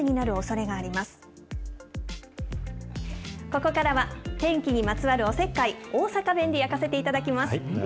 ここからは天気にまつわるおせっかい、大阪弁で焼かせていただきます。